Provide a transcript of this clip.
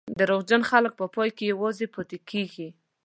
دروغجن خلک په پای کې یوازې پاتې کېږي.